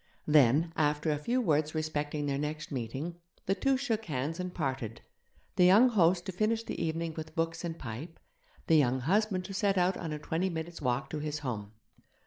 Then, after a few words respecting their next meeting, the two shook hands and parted the young host to finish the evening with books and pipe, the young husband to set out on a twenty minutes' walk to his home.